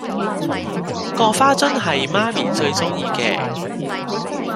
嗰花樽係媽咪最鍾意嘅